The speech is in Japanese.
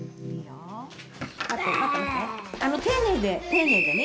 丁寧でね。